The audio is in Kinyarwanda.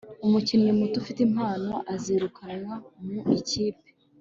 umukinnyi muto ufite impano azirukanwa mu ikipe